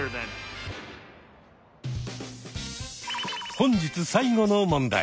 本日最後の問題。